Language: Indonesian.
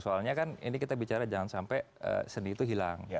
soalnya kan ini kita bicara jangan sampai seni itu hilang